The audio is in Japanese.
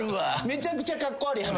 めちゃくちゃカッコ悪い話。